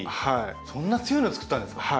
そんな強いのをつくったんですか！